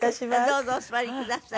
どうぞお座りください。